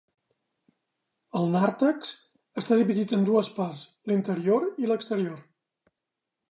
El nàrtex està dividit en dues parts: l'interior i l'exterior.